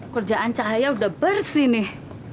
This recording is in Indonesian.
kerjaan cahaya udah bersih nih